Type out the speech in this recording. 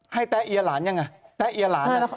ให้แตะเอียวหลานยังไงแตะเอียวหลาน